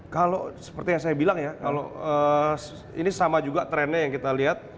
kalau seperti yang saya bilang ya kalau ini sama juga trennya yang kita lihat